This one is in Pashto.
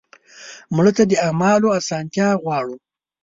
مړه ته د اعمالو اسانتیا غواړو